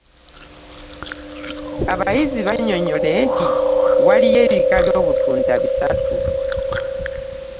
Abayizi bannyonnyole nti waliyo ebika by’obutunda bisatu.